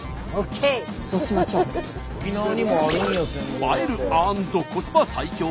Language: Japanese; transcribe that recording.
映える＆コスパ最強？